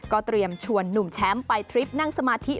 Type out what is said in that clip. เตรียมชวนหนุ่มแชมป์ไปทริปนั่งสมาธิ